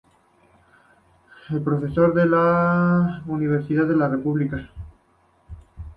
Fue profesor en la Universidad de la República.